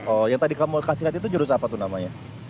oh yang tadi kamu kasih lihat itu jurus apa tuh namanya